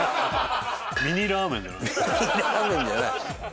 ミニラーメンじゃない。